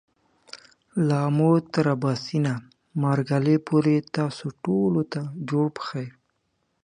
له آمو تر آباسينه ، مارګله پورې تاسو ټولو ته جوړ پخير !